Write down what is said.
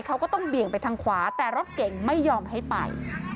เขาก็ต้องเบี่ยงไปทางขวาแต่รถเก่งไม่ยอมให้ไป